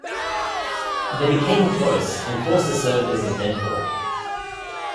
They became close and Forster served as his mentor.